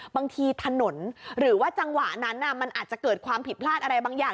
บางทีถนนหรือว่าจังหวะนั้นมันอาจจะเกิดความผิดพลาดอะไรบางอย่าง